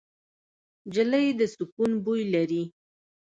نجلۍ د سکون بوی لري.